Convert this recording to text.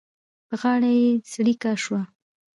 په غاړه یې څړيکه شوه.